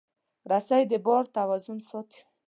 رسۍ د بار توازن ساتي.